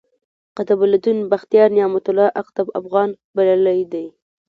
قطب الدین بختیار، نعمت الله اقطب افغان بللی دﺉ.